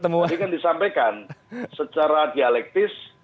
ini kan disampaikan secara dialektis